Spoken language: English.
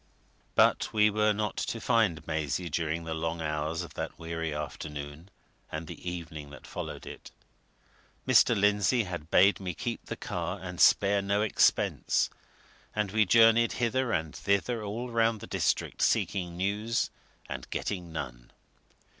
But we were not to find Maisie during the long hours of that weary afternoon and the evening that followed it. Mr. Lindsey had bade me keep the car and spare no expense, and we journeyed hither and thither all round the district, seeking news and getting none.